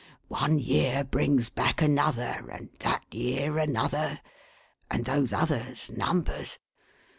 One year brings back another, and that year another, and those others numbers!